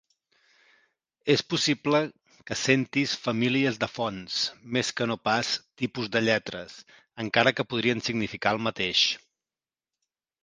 És possible que sentis "famílies de fonts" més que no pas "tipus de lletres", encara que podrien significar el mateix.